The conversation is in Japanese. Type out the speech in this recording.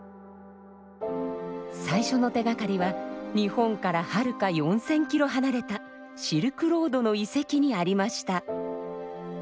最初の手がかりは日本からはるか４，０００キロ離れたシルクロードの遺跡にありました。